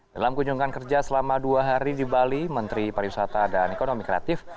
dalam kunjungan kerja selama dua hari di bali menteri pariwisata dan ekonomi kreatif